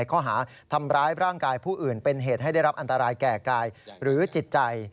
ข้อหาทำร้ายร่างกายผู้อื่นเป็นเหตุให้ได้รับอันตรายแก่กายหรือจิตใจ